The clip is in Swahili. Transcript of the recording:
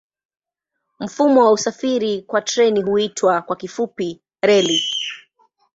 Mfumo wa usafiri kwa treni huitwa kwa kifupi reli.